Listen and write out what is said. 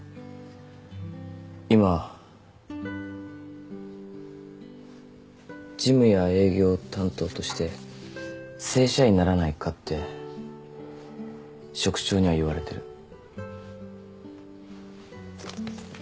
今事務や営業担当として正社員にならないかって職長には言われてる。